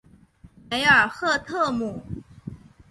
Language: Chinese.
梅尔赫特姆。